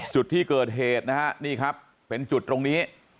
จุดที่เกิดเหตุนะฮะนี่ครับเป็นจุดตรงนี้